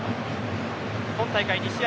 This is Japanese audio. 今大会２試合